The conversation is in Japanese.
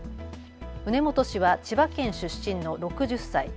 畝本氏は千葉県出身の６０歳。